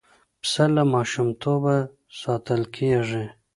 پسه له ماشومتوبه ساتل کېږي.